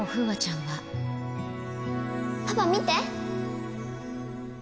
パパ見て。